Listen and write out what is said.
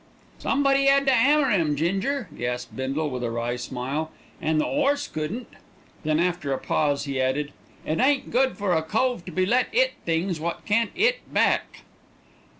"Somebody 'ad to 'ammer 'im, Ginger," gasped Bindle with a wry smile, "an' the 'orse couldn't." Then after a pause he added, "It ain't good for a cove to be let 'it things wot can't 'it back."